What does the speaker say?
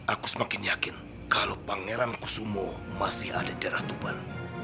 aku semakin yakin kalau pangeran kusumo masih ada di daerah tuban